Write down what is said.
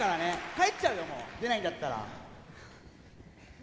帰っちゃうよもう出ないんだったら。